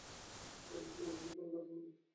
আপনি তো খুব সুন্দর করে কথা বলেন।